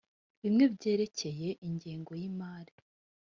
bimwe byerekeye ingengo y imari